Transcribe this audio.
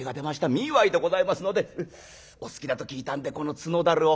身祝いでございますのでお好きだと聞いたんでこの角樽を」。